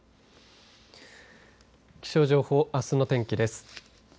気象情報、あすの天気です。